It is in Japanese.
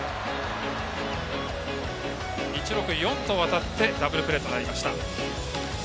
１−６−４と渡ってダブルプレーとなりました。